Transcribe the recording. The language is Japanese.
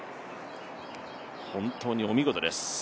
本当にお見事です